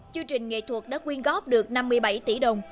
chương trình nghệ thuật đã quyên góp được năm mươi bảy tỷ đồng